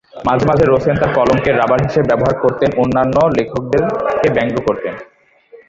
মাঝে মাঝে রোসেন তার কলমকে রবার হিসেবে ব্যবহার করতেন, অন্যান্য লেখকদেরকে ব্যঙ্গ করতেন।